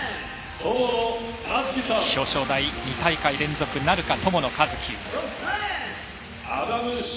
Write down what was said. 表彰台２大会連続なるか友野一希。